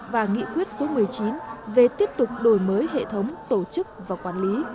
và nghị quyết số một mươi chín về tiếp tục đổi mới hệ thống tổ chức và quản lý